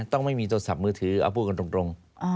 ต้องไม่มีโทรศัพท์มือถือเอาพูดกันตรง